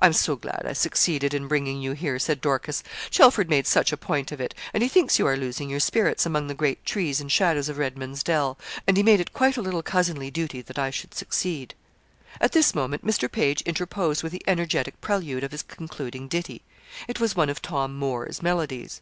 'I'm so glad I succeeded in bringing you here,' said Dorcas; 'Chelford made such a point of it; and he thinks you are losing your spirits among the great trees and shadows of Redman's Dell; and he made it quite a little cousinly duty that I should succeed.' At this moment Mr. Page interposed with the energetic prelude of his concluding ditty. It was one of Tom Moore's melodies.